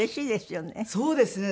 そうですね。